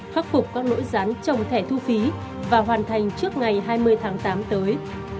khắc phục các nỗi gián trồng thẻ thu phí và hoàn thành trước ngày hai mươi tháng tám tới